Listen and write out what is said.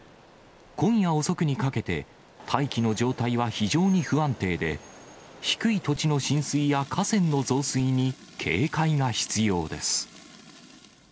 今夜遅くにかけて、大気の状態は非常に不安定で、低い土地の浸水や河川の増水に警戒が必要です。